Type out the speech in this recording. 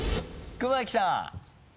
熊木さん。